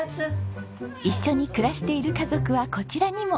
一緒に暮らしている家族はこちらにも。